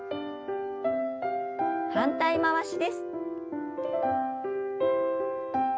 反対回しです。